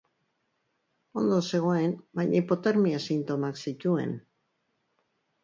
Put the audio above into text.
Ondo zegoen, baina hipotermia sintomak zituen.